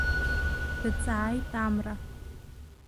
Дҵааит Амра.